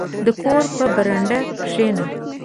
• د کور په برنډه کښېنه.